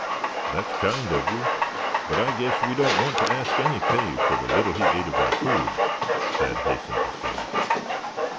"That's kind of you; but I guess we don't want to ask any pay for the little he ate of our food," Thad hastened to say.